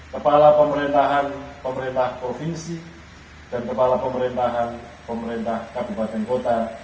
kepala pemerintahan pemerintah provinsi dan kepala pemerintahan pemerintah kabupaten kota